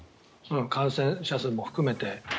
感染者数も含めて。